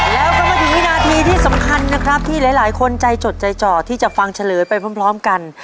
แล้วก็มาถึงวินาทีที่สำคัญนะครับที่หลายคนใจจดใจจ่อที่จะฟังเฉลยไปพร้อมกัน